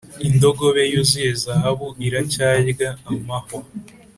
indogobe yuzuye zahabu iracyarya amahwa